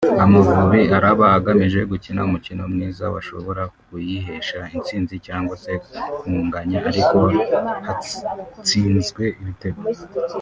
Amavubi araba agamije gukina umukino mwiza washobora kuyihesha itsinzi cyangwa se kuganya ariko hatsinzwe ibitego